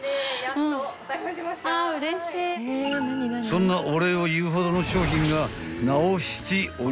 ［そんなお礼を言うほどの商品が］